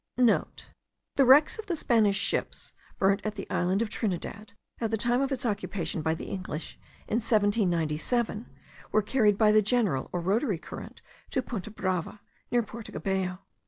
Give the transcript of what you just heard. (* The wrecks of the Spanish ships, burnt at the island of Trinidad, at the time of its occupation by the English in 1797, were carried by the general or rotary current to Punta Brava, near Porto Cabello.